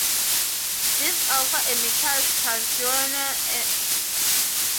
These alpha emitters (transuranium actinides) are then destroyed (transmuted) by nuclear reactions.